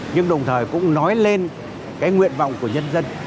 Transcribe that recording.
nhưng đồng thời cũng nói lên cái nguyện vọng của nhân dân